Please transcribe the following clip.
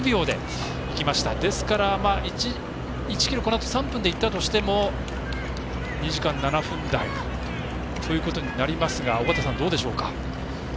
ですから１ｋｍ、３分でいったとしても２時間７分台ということになりますが尾方さん、どうでしょうか。